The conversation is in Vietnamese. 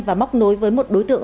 và móc nối với một đối tượng